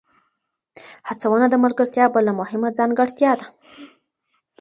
هڅونه د ملګرتیا بله مهمه ځانګړتیا ده.